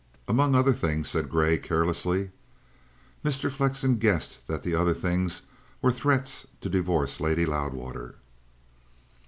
"Among other things," said Grey carelessly. Mr. Flexen guessed that the other things were threats to divorce Lady Loudwater.